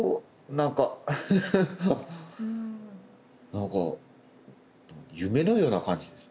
なんか夢のような感じです。